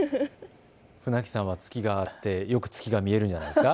船木さんは、ツキがあってよく月が見えるんじゃないですか。